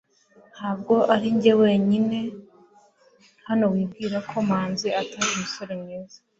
ntabwo arinjye wenyine hano wibwira ko manzi atari umusore mwiza